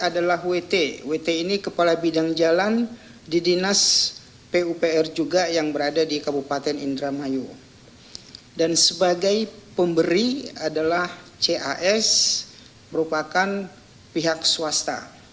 dan sebagai pemberi adalah cas merupakan pihak swasta